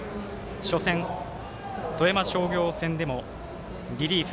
初戦、富山商業戦でもリリーフ。